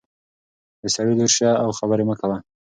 د سړي لور شه او خبرې مه کوه.